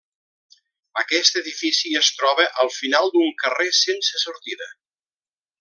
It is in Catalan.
Aquest edifici es troba al final d'un carrer sense sortida.